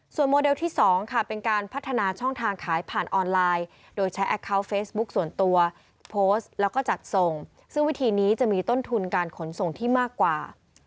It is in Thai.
โมเดลที่๒ค่ะเป็นการพัฒนาช่องทางขายผ่านออนไลน์โดยใช้แอคเคาน์เฟซบุ๊คส่วนตัวโพสต์แล้วก็จัดส่งซึ่งวิธีนี้จะมีต้นทุนการขนส่งที่มากกว่า